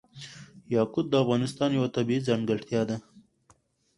یاقوت د افغانستان یوه طبیعي ځانګړتیا ده.